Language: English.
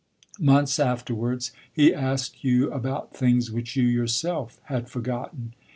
Months afterwards, he asked you about things which you yourself had forgotten.